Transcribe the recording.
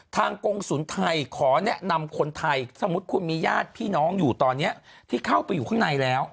กงศูนย์ไทยขอแนะนำคนไทยสมมุติคุณมีญาติพี่น้องอยู่ตอนนี้ที่เข้าไปอยู่ข้างในแล้ว